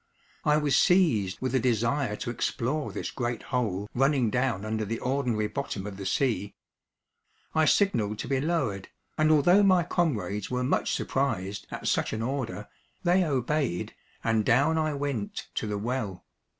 I was seized with a desire to explore this great hole running down under the ordinary bottom of the sea. I signaled to be lowered, and although my comrades were much surprised at such an order, they obeyed, and down I went to the well.